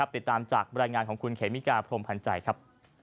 ติดตามจากบรรยายงานของคุณเขมิกาพรมพันธ์ใจครับ